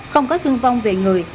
không có thương vong về người